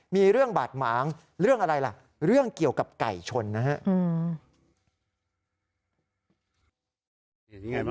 มีเรื่องบาดหมางเรื่องอะไรล่ะเรื่องเกี่ยวกับไก่ชนนะครับ